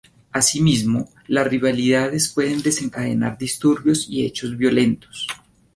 Asimismo, las rivalidades pueden desencadenar disturbios y hechos violentos.